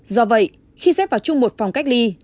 do vậy khi xét vào chung một phòng cách ly